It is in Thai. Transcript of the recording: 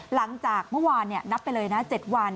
หลังจากเมื่อวานนับไปเลยนะ๗วัน